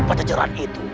dan pencerahan itu